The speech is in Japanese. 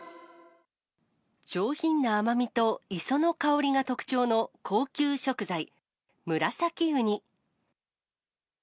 上品な甘みと磯の香りが特徴の高級食材、ムラサキウニ。